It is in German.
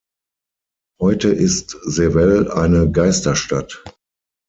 Heute ist Sewell eine Geisterstadt.